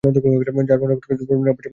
যার পুনরাবৃত্তি ঘটেছে বছরের পর বছর।